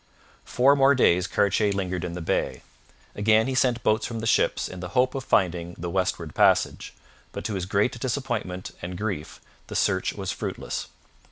Four more days Cartier lingered in the bay. Again he sent boats from the ships in the hope of finding the westward passage, but to his great disappointment and grief the search was fruitless.